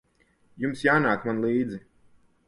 Jums jānāk man līdzi.